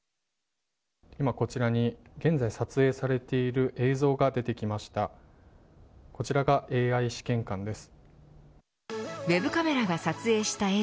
今こちらに現在撮影されている映像が出てきました。